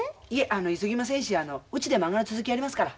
あの急ぎませんしあのうちでまんがの続きやりますから。